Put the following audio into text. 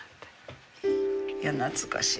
いや懐かしい。